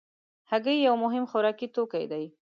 هګۍ یو مهم خوراکي توکی دی.